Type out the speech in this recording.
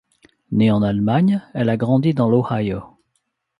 Née en Allemagne, elle a grandi dans l'Ohio.